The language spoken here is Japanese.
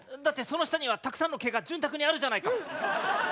だってその下にはたくさんの毛が潤沢にあるじゃないか。